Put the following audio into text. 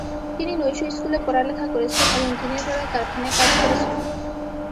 তিনি নৈশ স্কুলে পড়ালেখা করেছেন এবং দিনের বেলায় কারখানায় কাজ করেছেন।